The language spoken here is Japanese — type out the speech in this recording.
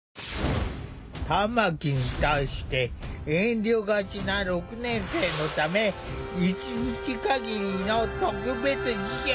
玉木に対して遠慮がちな６年生のため１日限りの特別授業！